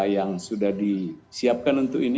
yang sudah disiapkan untuk ini